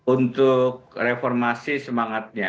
untuk reformasi semangatnya